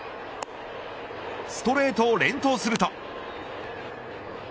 ストレートを連投すると。